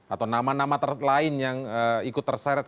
atau nama nama lain yang ikut terseret